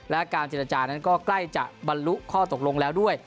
และการเจรจานั้นก็ใกล้จะบรรลุข้อตกลงแล้วด้วย